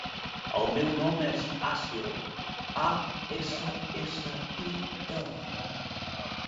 El meu nom és Assil: a, essa, essa, i, ela.